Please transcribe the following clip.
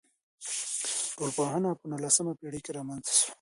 ټولنپوهنه په نولسمه پېړۍ کي رامنځته سوه.